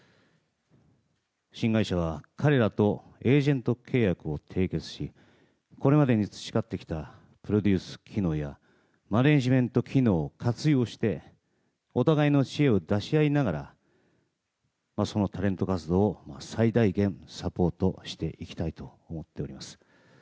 新会社は彼らとエージェント契約を締結しこれまでに培ってきたプロデュース機能やマネジメント機能を活用してお互いの知恵を出し合いながらそのタレント活動を最大限、サポートしていきたいと思っております。